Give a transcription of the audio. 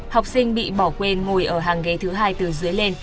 học sinh bị bỏ quên ngồi ở hàng ghế thứ hai từ dưới lên